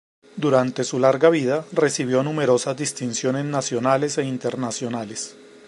Durante su larga vida recibió numerosas distinciones nacionales e internacionales.